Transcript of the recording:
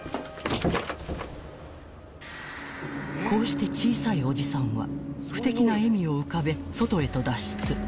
［こうして小さいおじさんは不敵な笑みを浮かべ外へと脱出］